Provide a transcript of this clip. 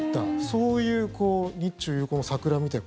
そういう日中友好の桜みたいな。